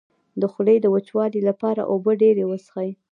د خولې د وچوالي لپاره اوبه ډیرې وڅښئ